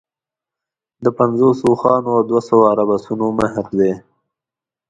د پنځوسو اوښانو او دوه سوه عرب اسونو مهر دی.